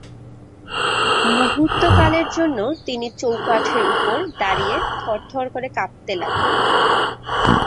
মুহূর্তকালের জন্য তিনি চৌকাঠের উপর দাঁড়িয়ে থরথর করে কাঁপতে লাগলেন।